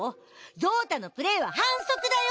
ぞうたのプレーは反則だよ！